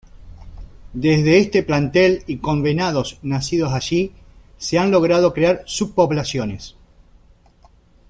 Desde este plantel, y con venados nacidos allí, se han logrado crear subpoblaciones.